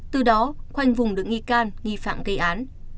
từ đó khoanh vùng được nghi can nghi phạm gây án